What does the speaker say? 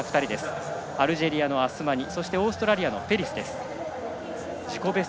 アルジェリアのアスマニそしてオーストラリアのペリス。